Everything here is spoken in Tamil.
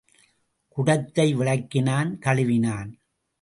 குடத்தை விளக்கினான், கழுவினான்.